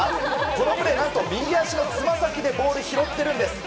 このプレー何と右足のつま先でボールを拾っているんです。